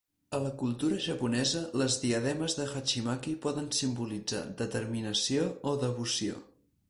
A la cultura japonesa, les diademes de hachimaki poden simbolitzar determinació o devoció.